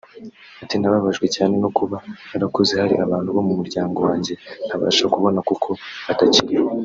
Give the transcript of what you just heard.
Ati “Nbabajwe cyane no kuba narakuze hari abantu bo mu muryango wanjye ntabasha kubona kuko batakiriho